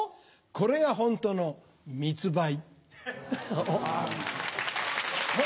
これがホントのミツ売。